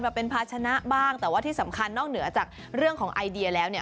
เป็นภาชนะบ้างแต่ว่าที่สำคัญนอกเหนือจากเรื่องของไอเดียแล้วเนี่ย